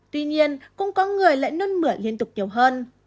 tuy nhiên cũng có người lại nôn mửa liên tục nhiều hơn